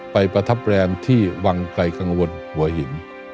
ประทับแรมที่วังไกลกังวลหัวหิน